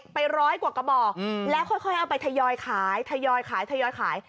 ไปร้อยกว่ากระบอกแล้วค่อยเอาไปทยอยขาย